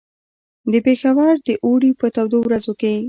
د پېښور د اوړي په تودو ورځو کې.